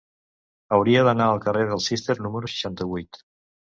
Hauria d'anar al carrer del Cister número seixanta-vuit.